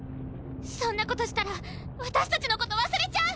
そんなことしたら私たちのこと忘れちゃう！